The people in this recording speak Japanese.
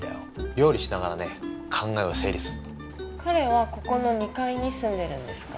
料理しながらね考えを整理するの彼はここの２階に住んでるんですか？